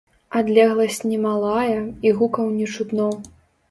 Адлегласць не малая, і гукаў не чутно.